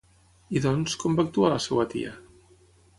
I doncs, com va actuar la seva tia?